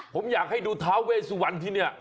ผมอยากให้ดูท้าเวสุวรรณที่นี่